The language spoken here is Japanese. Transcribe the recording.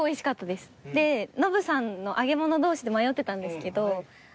でノブさんの揚げ物同士で迷ってたんですけど。